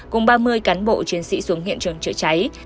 cùng ba mươi cán bộ chiến sĩ xuống hiện trường chữa cháy